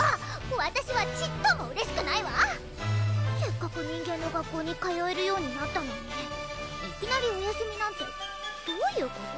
わたしはちっともうれしくないわせっかく人間の学校に通えるようになったのにいきなりお休みなんてどういうこと？